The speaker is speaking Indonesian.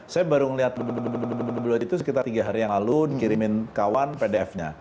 saya baru melihat itu sekitar tiga hari yang lalu dikirimin kawan pdf nya